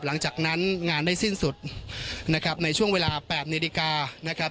หลังจากนั้นงานได้สิ้นสุดนะครับในช่วงเวลา๘นาฬิกานะครับ